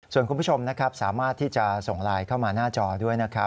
ส่วนคุณผู้ชมสามารถที่จะส่งไลน์เข้ามาหน้าจอด้วย